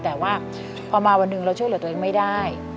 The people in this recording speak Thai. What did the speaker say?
แต่ว่าพอมาวันหนึ่งเราช่วยเหลือตัวเองไม่ได้